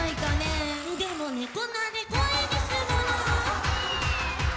「でも、猫なで声ですもの。」